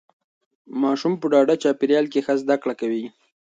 ماسوم په ډاډه چاپیریال کې ښه زده کړه کوي.